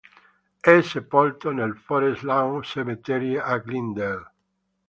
È sepolto nel Forest Lawn Cemetery a Glendale.